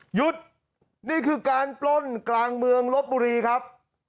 หยุดนี่คือการปล้นกลางเมืองลบบุรีครับ